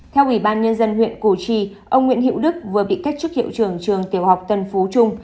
theo ủy ban nhân dân huyện củ chi ông nguyễn hiệu đức vừa bị cách chức hiệu trưởng trường tiểu học tân phú trung